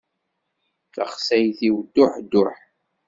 Taxsayt-iw duḥ duḥ.